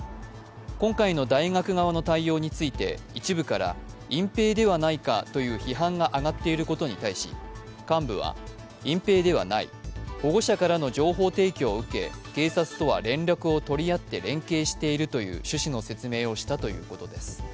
今回の大学側の対応について一部から隠蔽ではないかという批判が上がっていることに対し、幹部は、隠蔽ではない、保護者からの情報提供を受け警察とは連絡を取り合って連携しているという趣旨の説明をしたということです。